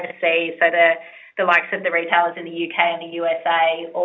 jadi sebagian besar perusahaan di amerika dan amerika